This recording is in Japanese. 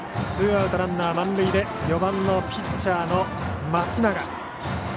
ツーアウトランナー満塁で４番ピッチャーの松永。